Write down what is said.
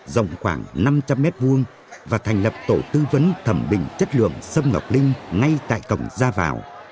dòng khoảng năm trăm linh m hai và thành lập tổ tư vấn thẩm bình chất lượng xâm ngọc linh ngay tại cổng gia vảo